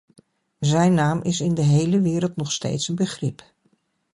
Zijn naam is in de hele wereld nog steeds een begrip.